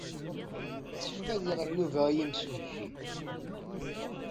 Yessefk ad iɣer Yuba i yimsujji.